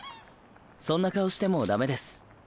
そんな顔しても駄目です。